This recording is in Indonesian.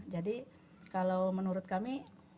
jadi kalau menurut kami